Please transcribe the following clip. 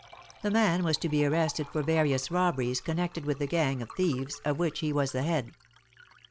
The man was to be arrested for various robberies connected with the gang of thieves, of which he was the head.